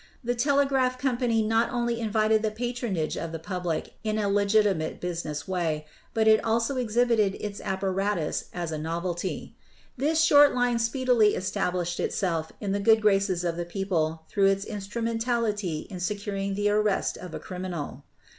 The telegraph company not ELECTRO MAGNETIC TELEGRAPH 297 only invited the patronage of the public in a legitimate business way, but it also exhibited its apparatus as a nov elty. This short line speedily established itself in the good graces of the people through its instrumentality in securing the arrest of a criminal.